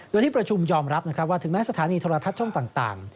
โดยที่ประชุมยอมรับนะครับว่าถึงแม้สถานีโทรทัศน์ช่องต่าง